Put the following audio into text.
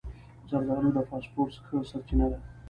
زردالو د فاسفورس ښه سرچینه ده.